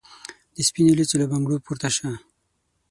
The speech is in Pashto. د سپینو لېڅو له بنګړو پورته سه